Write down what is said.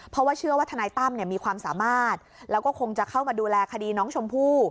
เพราะว่าเชื่อว่าทนายตั้มมีความสามารถแล้วก็คงจะเข้ามาดูแลคดีน้องชมพู่